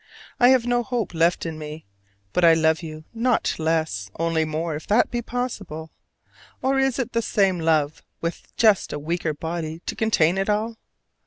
I have no hope now left in me: but I love you not less, only more, if that be possible: or is it the same love with just a weaker body to contain it all?